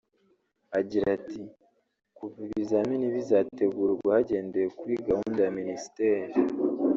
Agira ati “Kuva ibizamini bizategurwa hagendewe kuri gahunda ya minisiteri